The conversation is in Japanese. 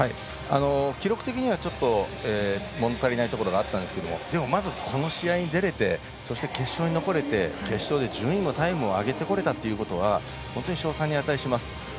記録的にはちょっと物足りないところがあったんですがまずこの試合に出れて決勝に残れて決勝で順位もタイムも上げてこれたということは本当に賞賛に値します。